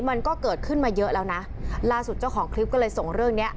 มันก็เกิดขึ้นมาเยอะแล้วนะล่าสุดเจ้าของคลิปก็เลยส่งเรื่องเนี้ย